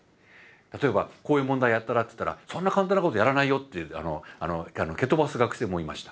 例えば「こういう問題やったら？」って言ったら「そんな簡単なことやらないよ」って蹴飛ばす学生もいました。